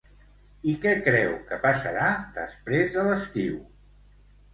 I què creu que passarà després de l'estiu?